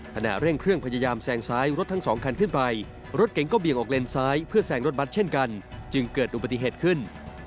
ขณะเร่งเครื่องพยายามแซงซ้ายรถทั้งสองคันขึ้นไปรถเก๋งก็เบี่ยงออกเลนซ้ายเพื่อแซงรถบัตรเช่นกันจึงเกิดอุบัติเหตุขึ้น